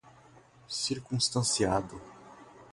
circunstanciado